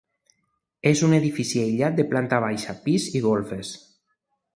És un edifici aïllat de planta baixa, pis i golfes.